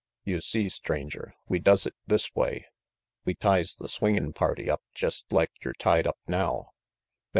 You see, Stranger, we does it this way. We ties the swingin' party up jest like yer tied up now.